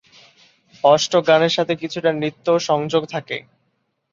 অষ্টকগানের সঙ্গে কিছুটা নৃত্যেরও সংযোগ থাকে।